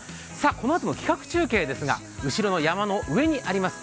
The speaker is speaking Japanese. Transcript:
このあとの企画中継ですが、後ろの山の上にあります